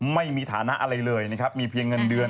ไม่มีฐานะอะไรเลยนะครับมีเพียงเงินเดือน